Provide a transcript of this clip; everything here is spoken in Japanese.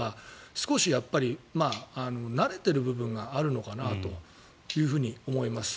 少し慣れている部分があるのかなと思います。